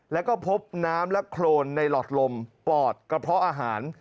แล้วก็พบน้ำและโครนในหลอดลมปอดกระเพาะอาหาร